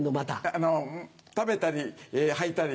あの食べたり履いたり。